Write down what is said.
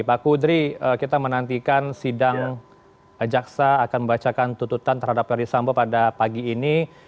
pak kudri kita menantikan sidang jaksa akan membacakan tuntutan terhadap ferdisambo pada pagi ini